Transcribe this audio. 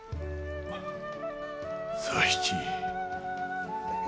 佐七。